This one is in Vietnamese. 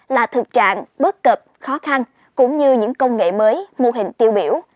là thực trạng bớt cực khó khăn cũng như những công nghệ mới mô hình tiêu biểu